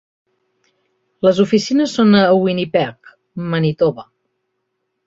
Les oficines són a Winnipeg, Manitoba.